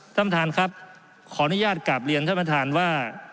ท่านประธานครับขออนุญาตกลับเรียนท่านประธานว่า